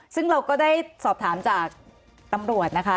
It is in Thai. ซึ่งเราก็ได้สอบถามจากตำรวจนะคะ